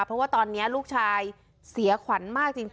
เพราะว่าลูกชายเสียขวัญมากจริงค่ะ